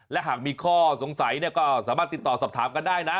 และหากมีข้อสงสัยก็สามารถติดต่อสอบถามกันได้นะ